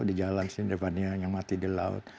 di jalan di sini daripada yang mati di laut